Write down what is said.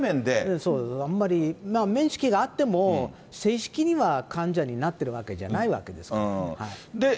あんまり、面識があっても、正式には患者になってるわけじゃないわけですから。